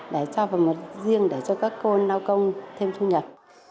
để cho vào một riêng để cho các cô lao công thêm thu nhập